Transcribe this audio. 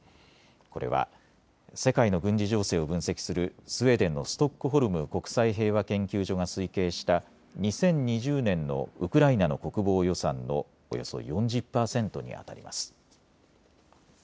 これは世界の軍事情勢を分析するスウェーデンのストックホルム国際平和研究所が推計した２０２０年のウクライナの国防予算のおよそ４０％にあたります。